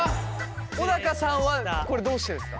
小高さんはこれどうしてですか？